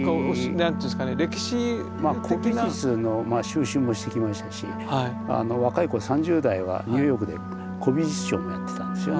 古美術の蒐集もしてきましたし若い頃３０代はニューヨークで古美術商もやってたんですよね。